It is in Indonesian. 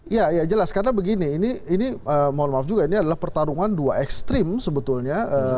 ya jelas karena begini ini mohon maaf juga ini adalah pertarungan dua ekstrim sebetulnya